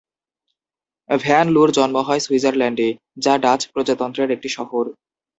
Van লু'র জন্ম হয় সুইজারল্যান্ডে, যা ডাচ প্রজাতন্ত্রের একটি শহর।